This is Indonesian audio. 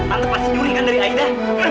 tante pasti juringan dari aida